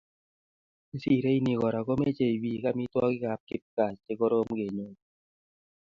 Nesirei ni Kora komochei bik amitwogikab kipkaa chekorom kenyor